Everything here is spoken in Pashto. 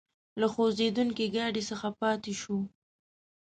له خوځېدونکي ګاډي څخه پاتې شوو.